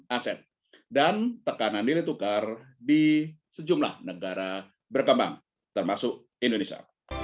aset dan tekanan nilai tukar di sejumlah negara berkembang termasuk indonesia